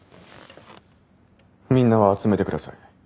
みんなを集めて下さい。